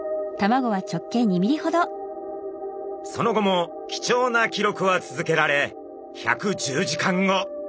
その後も貴重な記録は続けられ１１０時間後。